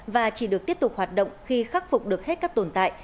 và chỉ được tiếp tục hoạt động khi khắc phục được hết các tồn tại